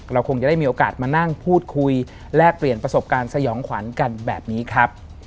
คงจะได้มีโอกาสมานั่งพูดคุยแลกเปลี่ยนประสบการณ์สยองขวัญกันแบบนี้ครับ